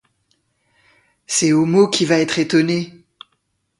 C’est Homo qui va être étonné!